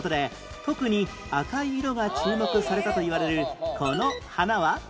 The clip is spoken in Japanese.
特に赤い色が注目されたといわれるこの花は？